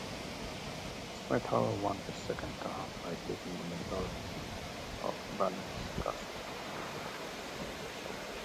Smith however won his second term by taking a majority of the ballots cast.